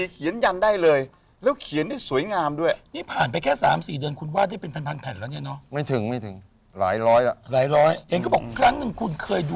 ก็หลวงพ่อองค์นี้นะครับ